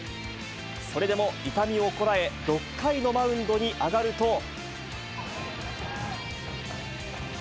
それでも痛みをこらえ、６回のマウンドに上がると。